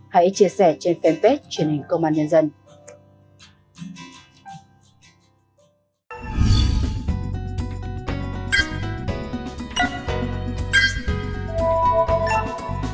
hãy chia sẻ trên fanpage truyền hình công an nhân dân